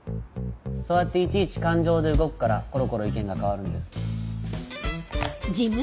そうやっていちいち感情で動くからコロコロ意見が変わるんです。